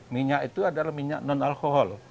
minyak itu adalah minyak non alkohol